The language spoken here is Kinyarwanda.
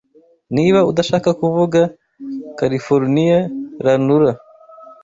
Niba udashaka kuvuga Californiya lanura